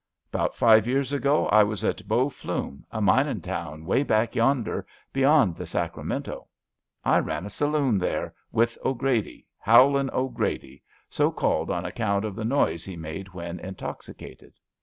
'Bout five years ago I was at Bow Flume — a minin' town way back yonder — ^beyond the Sacramento. I ran a saloon there with O 'Grady— Howlin' O 'Grady, so called on account of the noise he made when intoxicated.